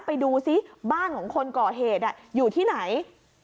ไปดูซิบ้านของคนก่อเหตุอยู่ที่ไหน